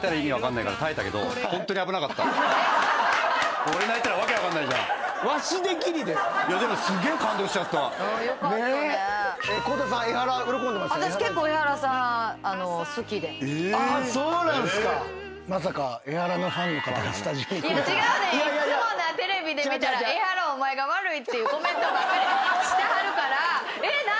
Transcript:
いっつもなテレビで見たら「エハラお前が悪い」ってコメントばかりしてはるから。